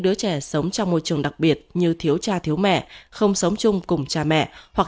đứa trẻ sống trong môi trường đặc biệt như thiếu cha thiếu mẹ không sống chung cùng cha mẹ hoặc